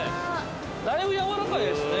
◆だいぶやわらかいですね。